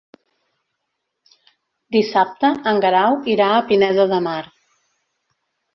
Dissabte en Guerau irà a Pineda de Mar.